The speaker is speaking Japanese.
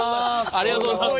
ありがとうございます！